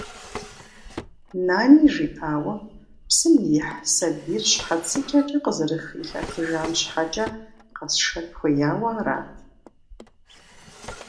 Нани жиӏауэ, псым ихь сабийр щхьэцыкӏэкӏэ къызэрыхилъэфыжам щхьэкӏэ къэсшэн хуеяуэ арат?